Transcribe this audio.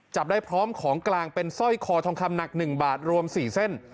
จับได้พร้อมของกลางเป็นสร้อยคอทองคำหนัก๑บาทรวม๔เส้น